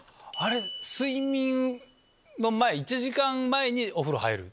睡眠の前１時間前にお風呂入る？